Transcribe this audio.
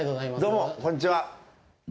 どうもこんにちは。